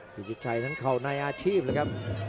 กิจิชัยนั้นเข่าในอาชีพเลยครับ